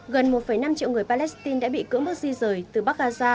gần một năm triệu người palestine đã bị cưỡng bức di rời từ bắc gaza